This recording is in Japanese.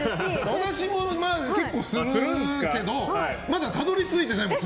私も結構するけどまだたどり着いてないもん